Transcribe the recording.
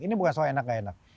ini bukan soal enak gak enak